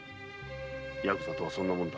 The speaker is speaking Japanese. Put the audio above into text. ヤクザとはそんなものだ。